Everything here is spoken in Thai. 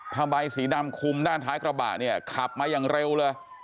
ผ้าใบสีดำคุมด้านท้ายกระบะเนี่ยขับมาอย่างเร็วเลย